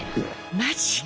マジか。